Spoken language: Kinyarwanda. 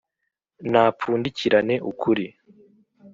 napfundikirane ukuri